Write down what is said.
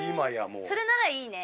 それならいいね！